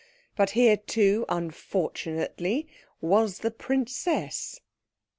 But here too, unfortunately, was the princess.